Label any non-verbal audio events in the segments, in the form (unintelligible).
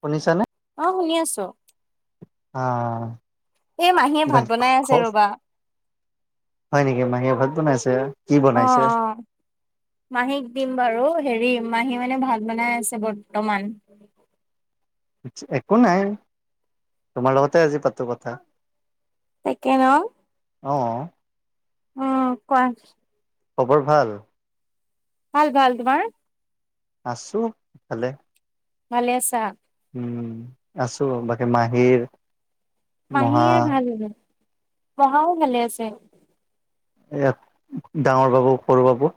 শুনিছানে? অ', শুনি আছোঁ। অ' এই মাহীয়ে ভাত বনাই আছে ৰ'বা। হয় নেকি, মাহীয়ে ভাত বনাই আছে? অ' অ' মাহীক দিম বাৰু, হেৰি মাহী মানে ভাত বনাই আছে বৰ্তমান। একো নাই, তোমাৰ লগতে আজি পাতো কথা। তাকে ন অ' উম, কোৱা। খবৰ ভাল? ভাল ভাল, তোমাৰ? আছোঁ, ভালে। ভালে আছা? উম, আছোঁ, বাকী মাহীৰ মহা মাহীও ভাল-ভাল, মহাও ভালে আছে। এইয়া, ডাঙৰ বাবু-সৰু বাবু?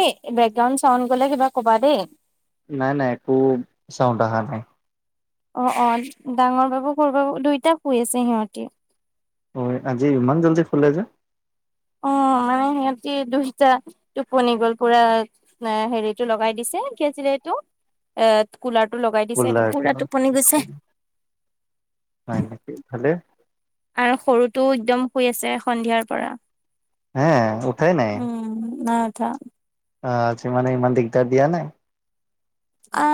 এ, বেকগ্ৰাউণ্ড চাউণ্ড গ'লে কিবা ক'বা দেই। নাই নাই, একো চাউণ্ড অহা নাই। অ' অ', ডাঙৰ বাবু-সৰু বাবু দুইটা শুই আছে সিহঁতি। অ', আজি ইমান জল্দি শুলে যে? অ', মানে সিহঁতি দুইটা টোপনি গ'ল পুৰা, মানে হেৰিটো লগাই দিছে, কি আছিল এইটো? এ কুলাৰটো লগাই দিছে, শুলে সিহঁতি পুৰা একেবাৰে। টোপনি গৈছে। হয় নেকি, ভালেই। আৰু সৰুটো একদম শুই আছে সন্ধিয়াৰ পৰা। হে উঠাই উম, নাই উঠা। অ', আজি মানে ইমান দিগদাৰ দিয়া নাই? আ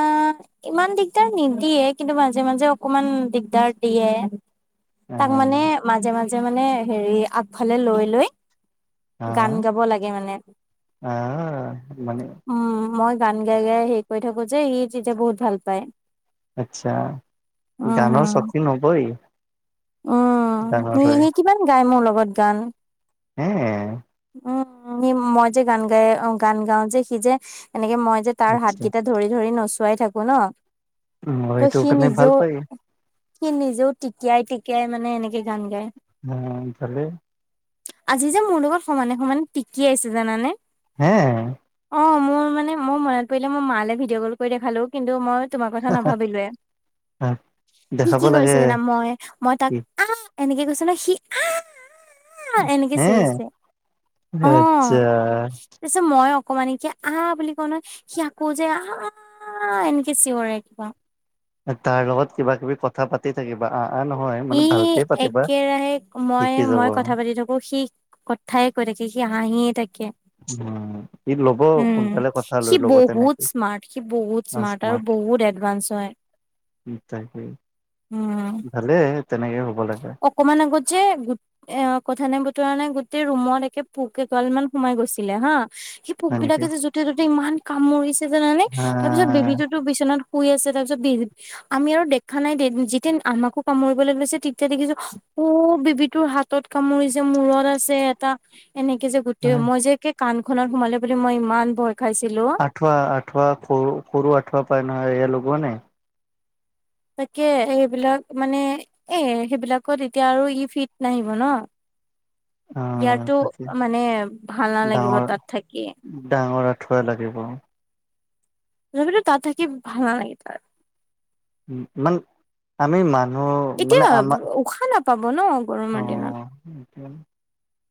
ইমান দিগদাৰ নিদিয়ে কিন্তু মাজে মাজে অকমান দিগদাৰ দিয়ে। তাক আহ মানে, মাজে মাজে মানে হেৰি আগফালে লৈ লৈ গান আহ গাব লাগে মানে। আহ মানে উম মই গান গাই গাই হেৰি কৰি থাকোঁ যে ই যে বহুত ভাল পায়। আচ্ছা উম, গানৰ হুম। চকী হবই। উম ডাঙৰ সি হৈ সি কিমান গায় মোৰ লগত গান। (unintelligible) উম সি মই যে গান গাই গান গাও যে, সি যে এনেকে মই যে তাৰ আচ্ছা হাতকিতা ধৰি ধৰি নচোৱাই থাকো ন, অ ত সেইটো সি কাৰণে ভাল নিজেও পায় সি নিজেও টিকিয়াই টকিয়াই মানে, এনেকে গান গায়। অ ভালে আজি যে মোৰ লগত সমানে সমানে টিকিয়াই আছে জানানে? হা, অ', মোৰ মানে মোৰ মনত পৰিলে মই মালে ভিডিঅ' কল কৰি দেখালো কিন্তু, মই তোমাৰ কথা নাভাবিলোৱে। সি দেখাব কি লাগে কৰিছে জানা, মই মই কি তাক আহ এনেকে কৈছ ন, সি এনেকে (inaudible) হে চিঞৰিছে আচ্ছা, পাৰিছে মই অকমানিক আ বুলি কওঁ ন সি আকৌ যে আহ অ', এনেকে চিৰেকিিবওঁ (unintelligible) তাৰ লগত কিবা কিবি কথা পা া থাকিবা আহ নহয়। মানে ই ভালকে পাতিবা একেৰাহে মই শিকি যাব মই কথা পাতি থাকোঁ শিখ কথাইে কৈ থাকে সি হাঁহিয়ে থাকে। উম ই ল'ব উম, সোনকালে কথা লৈ সি ল'ব তেনেকে বহুত স্মাৰ্ট সি বহুত স্মাৰ্ট আৰু বহুত এডভান্স হয়। তাকেই ভালেই তেনেকে হ'ব লাগে। অক মে গ যে (unintelligible) এ কথা নাই বতৰা নাই গোটেই ৰুমত একে পোক এগাল মান সোমাই গৈছিলে হা পোক হয় নেকি বিলাকে যে য'তে ত'তে ইমান কামৰিছে জানানে হা ত তাৰ পিছত বেবিবিটো যে বিচনাত শুই আছে, তাৰ পিছত বি আমি আৰু দেখা নাই যেতিয়া আমাকো কামুৰিবলৈ লৈছে এতিয়া দেখিছোঁ বেবীতোৰ হাতত কামুৰি যে মূৰত আছে এটা এনেকে যে গোটেই মই যে কি কাণ খনত সোমালে বুলি, মই ইমান ভয় খাইছিলোঁ। আঠ আঠুৱ খ খৰুো (unintelligible) (inaudible) আঠুৱ পায় ন এ লগ নে তাকে এইেইবিলাক মানে এ, সেইবিলাকত এতিয়া আৰু ই ফিট নাহিব ন। অ ইয়াৰটো তাকে মানে ভাল নালাগিব ডাঙৰ তাত থাকি। ডাঙৰ আঁঠুৱা লাগিব। তথািপ তাত থাকি ভাল নালাগে তাৰ। ইমান আমি ইমান এতিয়া উশাহ নাপাব ন গৰমৰ দিনত অঁ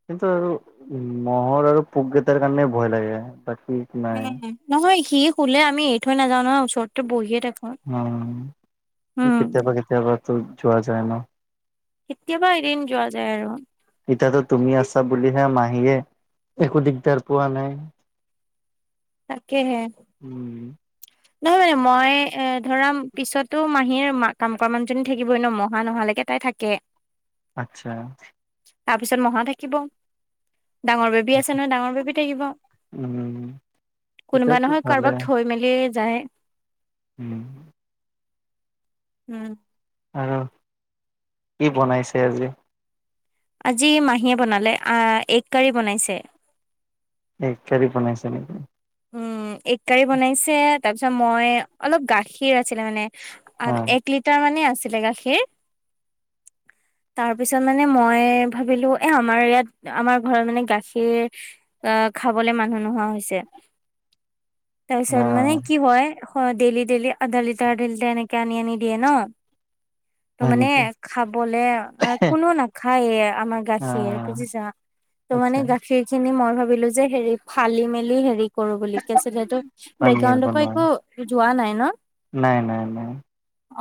কিন্তু, আৰু উ মহৰ আৰু পোককেইটাৰ কাৰণে ভয় লাগে বাকী নাই উম নহয় সি শুলে আমি এৰি থৈ নাযাও নহয়, ওচৰতে বহিয়ে থাকোঁ। উম কেতিয়াবা কেতিয়াবাটো যোৱা যায় ন। কেতিয়াবা এদিন যোৱা যায় আৰু। ইতো (unintelligible) তুমি আছাঁ বুলিহে মাহীয়ে একো দিগদাৰ পোৱা নাই। তাকেহে। উম। নহয় মানে মই এ ধৰা পিছতো মাহীৰ মাক কাম কৰা মানুহজনী থাকিবই ন মহা নোহালৈকে তাই থাকে। আচ্ছা। তাৰ পিছত মহা থাকিব। ডাঙৰ বেবী আছে নহয়, ডাঙৰ বেবী থাকিব। উম! কোনোবা তেতিয়াতো নহয়, ভালে কাৰোবাক থৈ মেলিয়ে যায়। উম! উম! আৰু কি বনাইছে আজি? আজি মাহীয়ে বনালে, আঁ এগ কাৰী বনাইছে। এই কাৰী বনাইছে নেকি? উম, এগ কাৰী বনাইছে। তাৰপিছত, মই অলপ, গাখীৰ আছিলে মানে। অ আৰু এক লিটাৰ মানেই, আছিলে গাখীৰ। তাৰপিছত মানে, মই ভাবিলোঁ! এ, আমাৰ ইয়াত, আমাৰ ঘৰত মানে, গাখীৰ আঁ খাবলৈ মানুহ নোহোৱা হৈছে। অ তাৰপিছত, মানে কি হয়, ডেইলি-ডেইলি আধা লিটাৰ, ডেইল লিটাৰ এনেকে আনি, আনি দিয়ে ন'। (inaudible) হয় মানে, নেকি খাবলে, কোনো নাখায়ে, আমাৰ অ গাখীৰ বুজিছা! ত' মানে, আচ্ছা গাখীৰ খিনি মই ভাবিলোঁ যে! হেৰি, ফালি -মেলি হেৰি, কৰোঁ বুলি। তাৰপিছত সেইটো, বেকগ্ৰাউণ্ড পৰা একো যোৱা নাই, ন'। নাই, নাই, নাই।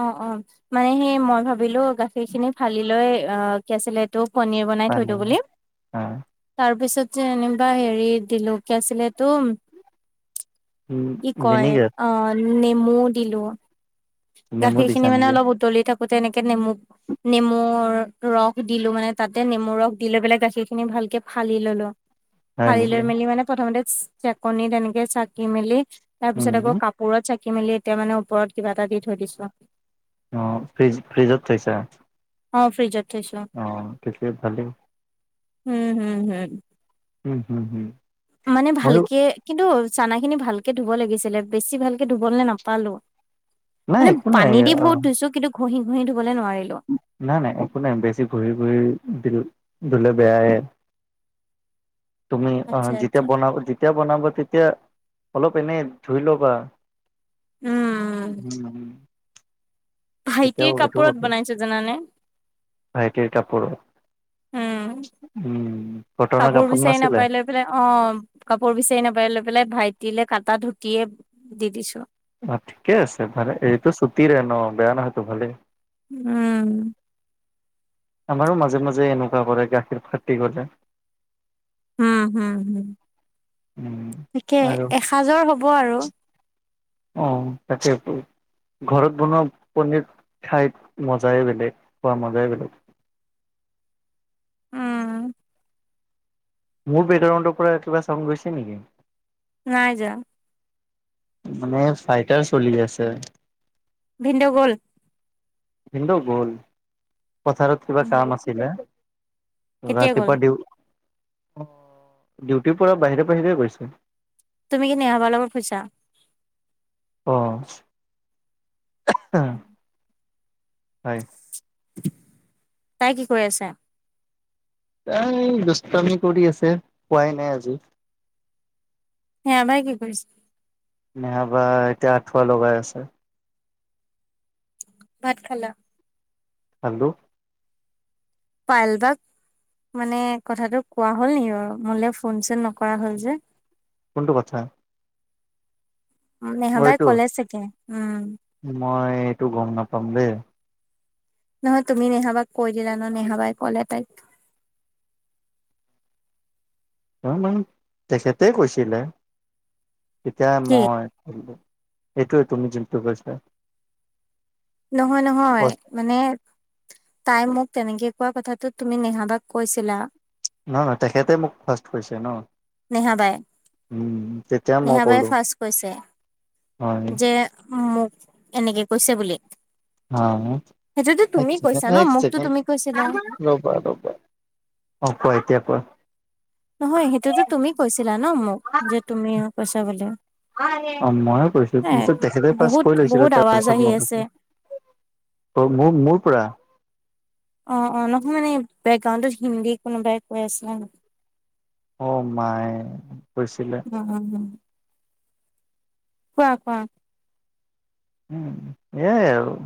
অ' অ'! মানে সেই, মই ভাবিলোঁ! গাখীৰ খিনি ফালি লৈ, অ'! কি আছিলে এইটো? পনীৰ বনাই থৈ পানী দিওঁ বুলি। হয় তাৰপিছত যে, এনেকুৱা হেৰি দিলোঁ, কি আছিলে এইটো? উম কি কয়? ভিনেগাৰ অ'! নেমু দিলোঁ। নেমু গাখীৰ দিছা খিনি মানে, নেকি অলপ উতলি থাকোঁতে এনেকে, নেমু নেমুৰ ৰস দিলোঁ মানে, তাতে নেমু ৰস দি লৈ পেলাই, গাখীৰ খিনি ভালকে ফালি ললোঁ। হয় ফালি নেকি লৈ মেলি মানে, প্ৰথমতে চেকনি তেনেকে, চাকি-মেলি, তাৰপিছত আকৌ, উম কাপ কাপোৰত চাকি মেলি, এতিয়া মানে, ওপৰত কিবা এটা দি থৈ দিছোঁ। অ'! ফ্ৰিজ, ফ্ৰিজত থৈছা? অ'! ফ্ৰিজত। থৈছো অ'! তেতিয়া ভালেই। উম, উম, উম। উম, উম, উম। মানে ভালকে, কিন্তু, চানা খিনি ভালকে ধুব লাগিছিলে, বেছি ভালকে ধুবলে নাপালোঁ। নাই মানে, একো নাই পানী দি অ বহুত ধুইছোঁ। কিন্তু, ঘঁহি-ঘঁহি ধুবলৈ নোৱাৰিলোঁ। নাই, নাই, একো নাই। বেছি ঘঁহি-ঘঁহি ধূলে বেয়াহে। তুমি, আচ্ছা অ'! যেতিয়া আচ্ছা বনাব, যেতিয়া বনাবা, তেতিয়া অলপ, এনেই ধুই ল'বা। উম (unintelligible) উম! ভাইটিৰ তেতিয়াও এইটো কাপোৰত হ'ল বনাইছোঁ, জানানে? ভাইটিৰ কাপোৰ। উম, কটনৰ কাপোৰ বিচাৰি নাছিলে? নাপাই লৈ পেলাই। অ'! কাপোৰ বিচাৰি নাপায়, লৈ পেলাই ভাইটিলে, কাটা ধুতিয়ে দি দিছোঁ। অ'! ঠিকে আছে, ভালে! এইটো ছুটিৰে ন' বেয়া নহয়তো, ভালেই। উম! আমাৰো, মাজে-মাজে এনেকুৱা কৰে, গাখীৰ ফাটি গ'লে। উম, উম। উম তাকে, আৰু এসাজৰ হ'ব আৰু। অ'! (unintelligible) ঘৰত বনোৱা, পনীৰ খাই মজাই বেলেগ, খোৱা মজাই বেলেগ! উম! মোৰ বেকগ্ৰাউণণ্ড পৰা, কিবা চাউণ্ড গৈছে নেকি? নাই যোৱা। মানে, ফাইটাৰ চলি আছে। ভিনদেউ গ'ল? ভিনদেউ গল পথাৰত কিবা উম, কাম আছিলে। কেতিয়া গ'ল? ৰাতিপুৱা ডিউ অ, ডিউটিৰ পৰা বাহিৰে-বাহিৰে গৈছে। তুমি কি নেহাবাৰ লগত ফুৰচা। অ, অ (unintelligible) হয়, তাই কি কৈ আছে? তাই দুষ্টামি কৰি আছে, শুৱাই নাই আজি। নেহা বাই কি কৰিছে? নেহাবা এতিয়া আঠুৱা লগাই আছে। ভাত খালা? হেল্ল', পাইলবাক মানে কথাটো কোৱা হ'ল নেকি, বাৰু মোলে ফোন-চোন নকৰা হল যে? কোনটো কথা? অ নেহাবাই এইটো কলে চাগে। উম, মই এইটো গম নাপাম দেই? নহয় তুমি নেহাবাক কৈ দিলা ন' নেহাবাই ক'লে তাইক। জানো তেখেতে কৈছিলে। তেতিয়া কি? মই এইটোৱেটো তুমি যিটো কৈছা। নহয়-নহয়। ফাৰ্ষ্ট, মানে, তাই মোক তেনেকে কোৱা কথাটো তুমি নেহাবাক কৈছিলা? নহয়-নহয়, তেখেতে মোক ফাৰ্ষ্ট কৈছিল ন। উম তেতিয়া মই নেহাবাই-নেহাবাই ক'লো ফাৰ্ষ্ট কৈছে হয় যে, মোক এনেকে কৈছে বুলি? অ সেইটোতো তুমি কৈছা ন', মোকতো তুমি কৈছিলা? ৰ'বা-ৰ'বা অ, কোৱা এতিয়া কোৱা? নহয় সেইটোতো তুমি কৈছিলা ন? মোক যে তুমি কৈছা বুলি। অ, ময়েই কৈছিলো, এ পিছত তেখেতে ফাৰ্ষ্ট বহুত কৈ লৈছিলে বহুত আৱাজ তাৰপিছত আহি মই আছে কৈছোঁ অ, মোৰ-মোৰ পৰা। অ, অ, নহয় মানে বেকগ্ৰাউণ্ডত হিন্দী কোনোবাই কৈ আছে নহয়। অ, মায়ে কৈছিলে। অ অ অ (unintelligible) কোৱা-কোৱা? উম, এয়াই আৰু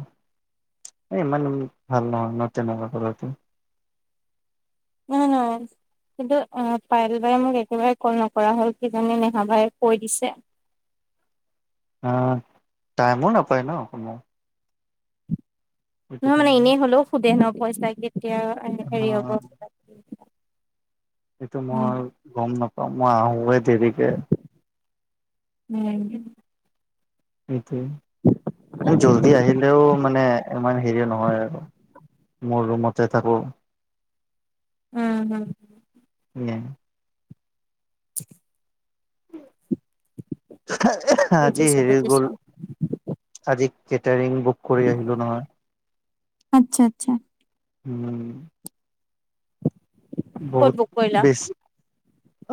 ইমান ভাল নহয় ন তেনেকোৱা কৰাতো। নহয়-নহয়। কিন্তু অ, পাইল বাৰে মোক একেবাৰে কল নকৰা হল, কিজানি নেহাবাই কৈ দিছে? অহ, টাইমো নাপায় ন কোনো। সেইটো নহয় মানে কাৰণে এনেই হলেও সুধে ন পইচা কেতিয়া হেৰি হব। অ' সেইইটো উম মই গম নাপাওঁ, মই আহোৱে দেৰিকে। উম, সেইটোৱে। জল্দি আহিলেও মানে ইমান হেৰি নহয় আৰু মোৰ ৰুমত। যাই থাকোঁ। উম, উম, উ (unintelligible) (unintelligible) আজি বুজিছো হেৰি বুজিছো গ'ল? আজি কেটাৰিং বুক কৰি আহিলো নহয়। আচ্ছা-আচ্ছা। উম, ক'ত বহুত বুক কৰিলা? বেছ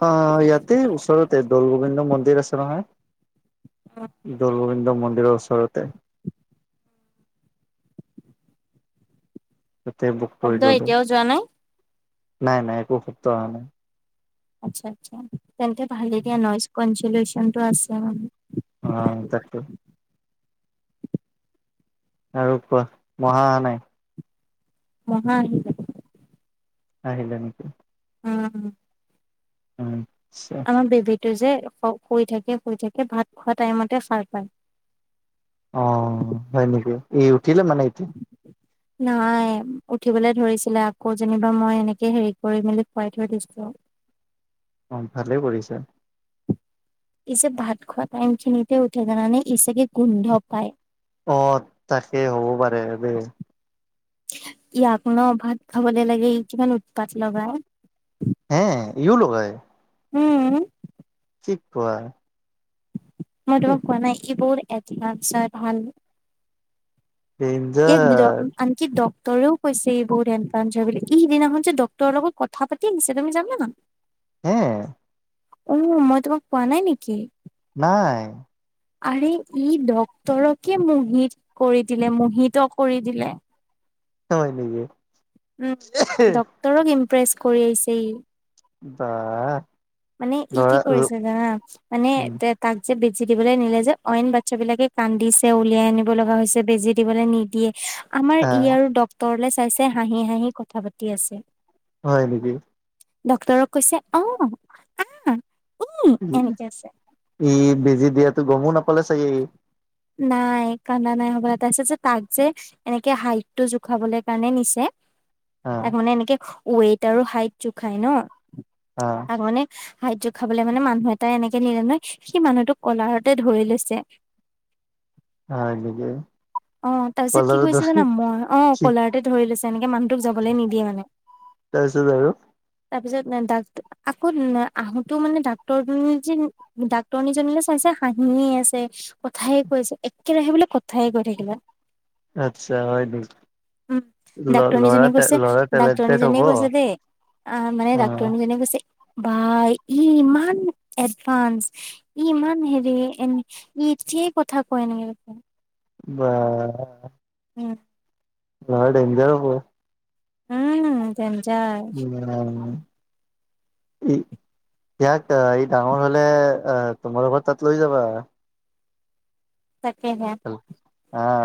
অ', ইয়াতে ওচৰতে, দৌল গোবিন্দ মন্দিৰ আছে নহয়। দৌলগোবিন্দ মন্দিৰৰ ওচৰতে। তাতে বুক কৰি শব্দ ল'লো, এতিয়াও যোৱা নাই? নাই নাই একো শব্দ অহা নাই। আচ্ছা, আচ্ছা, তেন্তে ভালে দিয়া নইজ (unintelligible) আছে মানে। অ', তাকে। আৰু কোৱা, মহা আহা নাই? মহা আহিছে। আহিলে নেকি? উম। উম। বেবীতো যে শুই থাকে, শুই থাকে, ভাত খোৱা টাইমতে খাৰ পায়। অ', হয় নেকি, এই উঠিলে মানে এতিয়া। (inaudible) নাই উঠিবলে ধৰিছিলে আকৌ যেনিবা, মই এনেকে হেৰি কৰি মেলি খুৱাই থৈ দিছো। অ', ভালেই কৰিছা। পিছে ভাত খোৱা টাইমখিনিতে উঠে জানানে, ই চাগে গোন্ধ পায়। অ', তাকেই হ'ব পাৰে দেই। ই আপোনৰ ভাত খাবলে লাগে, ই কিমান উৎপাত লগায়। অ', ইও লগাই। উম। (unintelligible) মই হেহ, তোমাক কোৱা নাই, ই বহুত এডভান্সাৰ ভাল। ডেঞ্জাৰ (unintelligible) কি ডক্টৰেও কৈছে (unintelligible) কি সিদিনাখন যে ডাক্তৰৰ লগত কথা পাতি আহিছে তুমি জানা। (inaudible) হম। উম, মই তোমাক পোৱা নাই নেকি? নাই। আৰে ই ডাক্তৰকে মুহিত কৰি দিলে, মুহিত ত কৰি দিলে। হয় নেকি? উম, ডক্টৰক ইমপ্ৰেচ কৰি আহিছে ই। বাহ। মানে ই কৰিছে জানা, মানে উম তাক যে বেজি দিবলৈ নিলে যে, অইন বাচ্ছা বিলাকে কান্দিছে। উলিয়াই আনিব লগা হৈছে, বেজি দিবলৈ নিদিয়ে আমাৰ হা ই আৰু ডক্টৰলে চাই চাই, হাঁহি হাঁহি কথা পাতি আছে। হয় নেকি? ডক্তৰক কৈছে, অহ, আহ, উম ই এনেকে আছে। ই বেজি দিয়াতো গমো নাপালে চাগে ই। নাই কান্দা নাই (unintelligible) তাৰপিছত যে তাক যে এনেকে হাইটটো জোখাবলৈ কাৰণে নিছে। অ তাক মানে এনেকে, ৱেইট আৰু হাইট জোখাই নহ। অ'। তাক মানে হাইট জোখাবলৈ মানে মানুহ এটাই এনেকে নিলে নহয়, সি মানুহটোক কলাৰতে ধৰি লৈছে। (unintelligible) হয় নেকি? অ', তাৰপিছত কি কলাৰ কৰিছে ধৰি জানা, মই অ', কি ক'লাৰতে ধৰি লৈছে, এনেকে মানুহটোক যাবলৈ নিদিয়ে মানে। তাৰপিছত আৰু? তাৰপিছত ডাক আকৌ আহোতে মানে ডাক্তৰ যে ডাক্তৰনীজনীলৈ চাইছা হাঁহিয়ে আছে, কথায়ে কৈছে, একেৰাহে বোলে কথায়ে কৈ থাক দেখিলা? আচ্ছা, হয় দেখি উ, ডাক্তৰনীজনী কৈছে ল'ৰা টেলেণ্টেড হ'ব ডাক্তৰনীজনী কৈছে দেই। আ, মানে অ ডাক্তৰনীজনীয়ে কৈছে বা ই ইমান এডভান্স। ই ইমান হেৰি এ, ই এতিয়াই কথা কয় এনেকে বা। উম। নহয় ডেঞ্জাৰো হ'ব। উম, ডেঞ্জাৰ। হয়। ই ইয়াক ই ডাঙৰ হ'লে তোমালোকৰ তাত লৈ যাবা। তাকেহে। অ'।